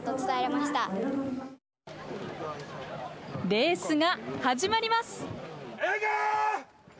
レースが始まります。